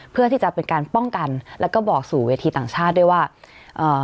เพื่อที่จะเป็นการป้องกันแล้วก็บอกสู่เวทีต่างชาติด้วยว่าเอ่อ